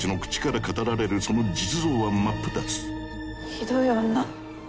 ひどい女。